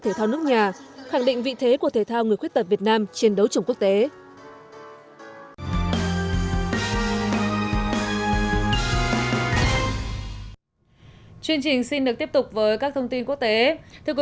để các vận động viên thể thao người khuyết tật việt nam có thêm động lực